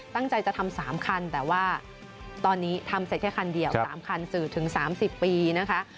ตั้งใจจะทำ๓คันแต่ว่าตอนนี้ทำเสร็จแค่คันเดียว๓คันสื่อถึง๓๐ปีนะคะ